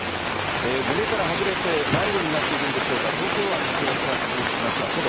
群れからはぐれて迷子になっているんでしょうか、東京湾に漂着しましたトド。